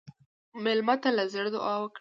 مېلمه ته له زړه دعا وکړئ.